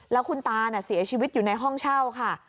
แล้วคุณตาเสียชีวิตอยู่ในห้องเช่าค่ะ